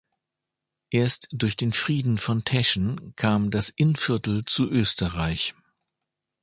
Erst durch den Frieden von Teschen kam das Innviertel zu Österreich.